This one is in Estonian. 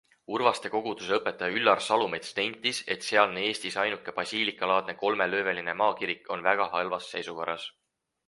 Urvaste koguduse õpetaja Üllar Salumets nentis, et sealne Eesti ainus basiilikalaadne kolmelööviline maakirik on väga halvas seisukorras.